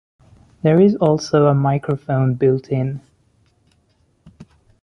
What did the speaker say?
There is also a microphone built in.